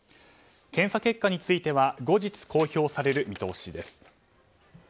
検査結果については後日公表される見通しです。